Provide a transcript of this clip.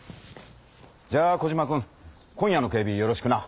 じゃあコジマくん今夜の警備よろしくな。